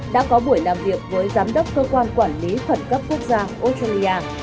đã có buổi làm việc với giám đốc cơ quan quản lý khẩn cấp quốc gia australia